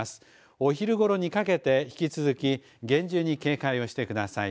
お昼ごろにかけて、引き続き厳重に警戒をしてください。